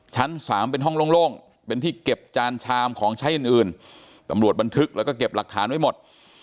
ชั้น๓เป็นห้องโล่งเป็นที่เก็บจานชามของใช้อื่นตำรวจบันทึกแล้วก็เก็บหลักฐานไว้หมด